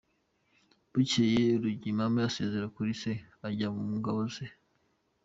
Bukeye Rugiramahe asezera kuri se ajya mu ngabo ze.